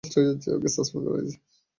ওকে suspend করা হয়েছে।